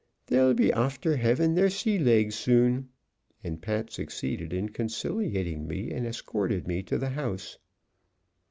They'll be afther havin' their sea legs soon." And Pat succeeded in conciliating me, and escorted me to the house.